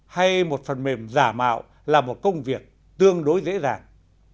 hay một phần mềm giả mạo là một công việc tương đối dễ dàng